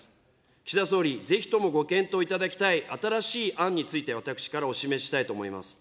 岸田総理、ぜひともご検討いただきたい新しい案について、私からお示ししたいと思います。